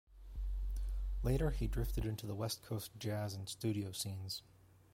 Later, he drifted into the "West Coast Jazz" and studio scenes.